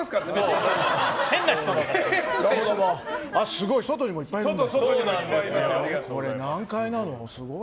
すごい外にもいっぱいいるんだ。